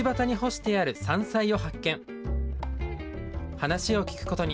話を聞くことに。